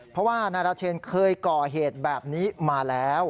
เพราะว่านายราเชนเคยก่อเหตุแบบนี้มาแล้ว